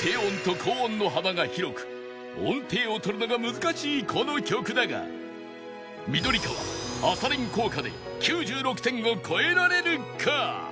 低音と高音の幅が広く音程を取るのが難しいこの曲だが緑川朝練効果で９６点を超えられるか？